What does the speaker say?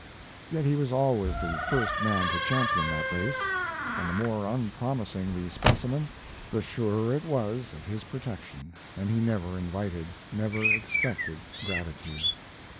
Yet he was always the first man to champion that race, and the more unpromising the specimen the surer it was of his protection, and he never invited, never expected gratitude.